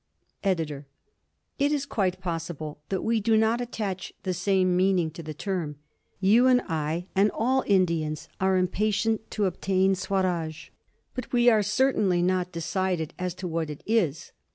EDITOR: It is quite possible that we do not attach the same meaning to the term. You and I and all Indians are impatient to obtain Swaraj, but we are certainly not decided as to what it is.